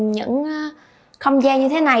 những không gian như thế này